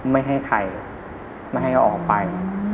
ไม่ให้ใครเอาออกไป